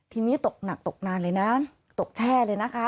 ทีนี้ตกหนักตกนานเลยนะตกแช่เลยนะคะ